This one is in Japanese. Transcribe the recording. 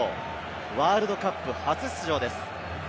ワールドカップ初出場です。